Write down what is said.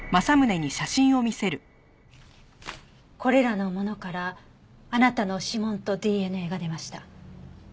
これらのものからあなたの指紋とＤＮＡが出ました。